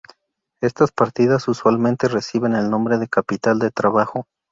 Estas partidas usualmente reciben el nombre de capital de trabajo.